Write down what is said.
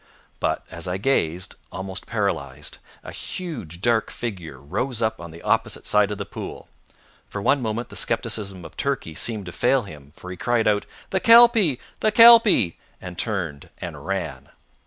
But, as I gazed, almost paralysed, a huge dark figure rose up on the opposite side of the pool. For one moment the scepticism of Turkey seemed to fail him, for he cried out, "The kelpie! The kelpie!" and turned and ran.